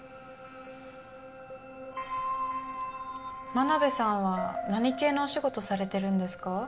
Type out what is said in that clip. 真鍋さんは何系のお仕事されてるんですか？